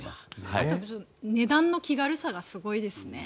あと値段の気軽さがすごいですね。